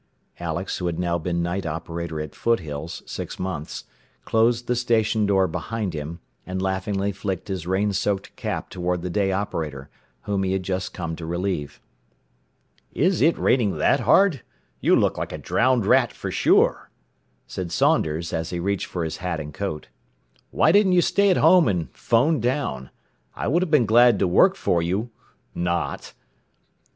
Alex, who had now been night operator at Foothills six months, closed the station door behind him, and laughingly flicked his rain soaked cap toward the day operator, whom he had just come to relieve. "Is it raining that hard? You look like a drowned rat for sure," said Saunders as he reached for his hat and coat. "Why didn't you stay at home, and 'phone down? I would have been glad to work for you not."